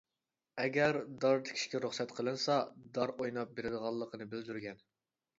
ئەگەر دار تىكىشكە رۇخسەت قىلىنسا، دار ئويناپ بېرىدىغانلىقىنى بىلدۈرگەن.